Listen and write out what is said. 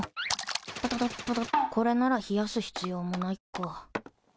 これなら冷やす必要もないか。